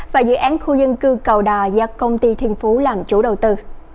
và dự án khu dân cư cầu đà do công ty thiên phú làm chủ đầu tư